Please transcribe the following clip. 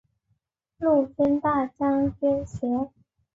陆军大将军衔。